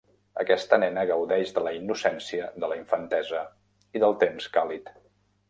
Aquesta nena gaudeix de la innocència de la infantesa i del temps càlid.